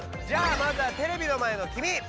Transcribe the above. じゃあまずはテレビの前のきみ！